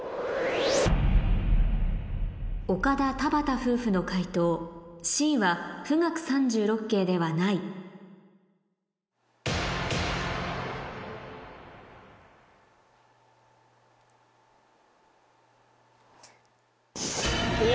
岡田・田畑夫婦の解答Ｃは『冨嶽三十六景』ではないお！